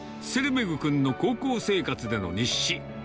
こちらは、ツェルメグ君の高校生活での日誌。